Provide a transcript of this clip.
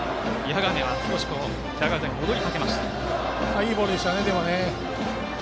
いいボールでしたね。